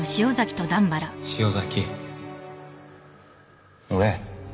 潮崎俺。